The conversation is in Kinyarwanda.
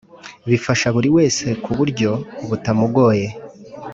bifasha buri wese ku buryo butamugoye.